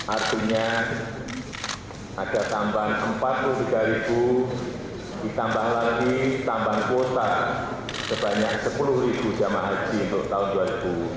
artinya agar tambahan empat puluh tiga ribu ditambah lagi tambahan kuota sebanyak sepuluh ribu jamah haji untuk tahun dua ribu tujuh belas